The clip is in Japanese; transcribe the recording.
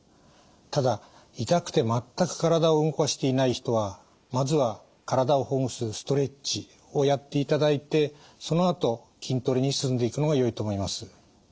ただ痛くて全く体を動かしていない人はまずは体をほぐすストレッチをやっていただいてそのあと筋トレに進んでいくのがよいと思います。